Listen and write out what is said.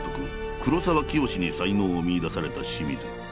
黒沢清に才能を見いだされた清水。